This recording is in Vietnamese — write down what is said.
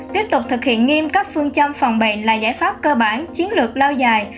tiếp tục thực hiện nghiêm cấp phương châm phòng bệnh là giải pháp cơ bản chiến lược lao dài